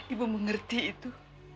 ibu mengerti itu